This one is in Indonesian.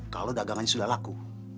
kalau dagangannya sudah laku